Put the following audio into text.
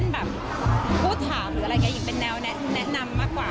แบบพูดถามหรืออะไรแบบนี้เป็นแนวแนะนำมากกว่า